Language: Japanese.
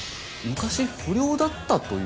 昔不良だったという。